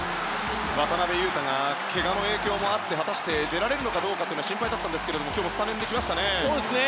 渡邊雄太がけがの影響もあって果たして出られるのかどうか心配だったんですが今日もスタメンで来ましたね。